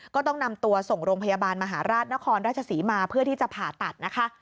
ก็ต้องนำตัวส่งโรงพยาบาลมหาราชนครราชศรีมาเพื่อที่จะผ่าตัดนะคะ